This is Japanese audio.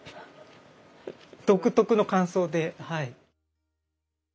独特の感想ではい。